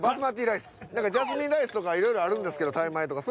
ジャスミンライスとかいろいろあるんですけどタイ米とか。